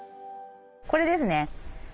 これですね。